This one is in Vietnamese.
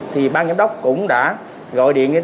thì ban giám đốc cũng đã gọi điện